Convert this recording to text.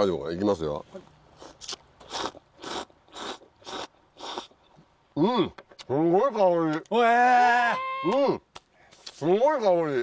すんごい香り。